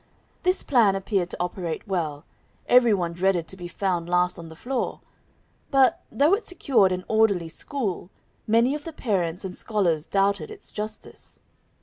This plan appeared to operate very well; every one dreaded to be found last on the floor; but, though it secured an orderly school, many of the parents and scholars doubted its justice.